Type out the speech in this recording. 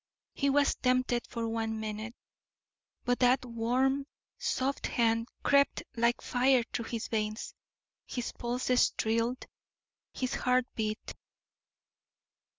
He was tempted for one minute; but that warm, soft hand crept like fire through his veins, his pulses thrilled, his heart beat.